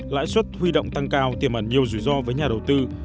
lãi suất huy động tăng cao tiềm ẩn nhiều rủi ro với nhà đầu tư